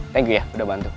thank you ya udah bantu